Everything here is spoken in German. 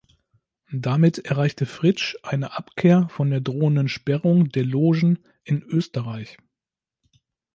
Damit erreichte Fritsch eine Abkehr von der drohenden Sperrung der Logen in Österreich.